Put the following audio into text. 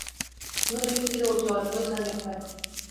ধনী ব্যক্তিরা অতি অল্পই ধার্মিক হয়।